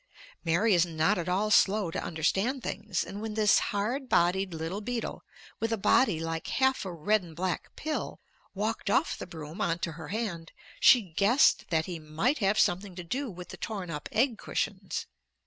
Mary is not at all slow to understand things, and when this hard bodied little beetle, with a body like half a red and black pill, walked off the broom on to her hand, she guessed that he might have something to do with the torn up egg cushions.